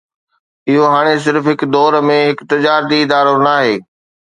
اهو هاڻي صرف هڪ دور ۾ هڪ تجارتي ادارو ناهي